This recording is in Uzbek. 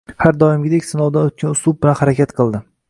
har doimgidek sinovdan o‘tgan uslub bilan harakat qildi.